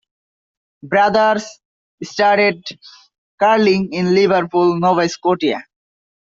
Brothers started curling in Liverpool, Nova Scotia.